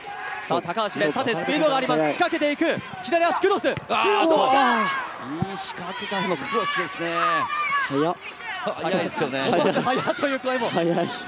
高橋蓮、縦スピードがあります。